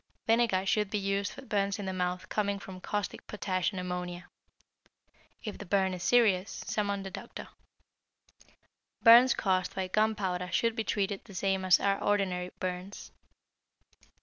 Vinegar should be used for burns in the mouth coming from caustic potash and ammonia. If the burn is serious, summon the doctor. Burns caused by gunpowder should be treated the same as are ordinary burns.